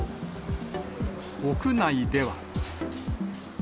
屋内では。